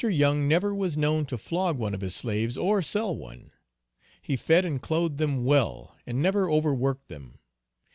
Young never was known to flog one of his slaves or sell one. He fed and clothed them well, and never over worked them.